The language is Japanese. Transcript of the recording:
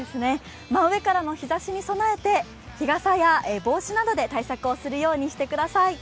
真上からの日ざしに備えて、日傘や帽子などで対策をするようにしてください。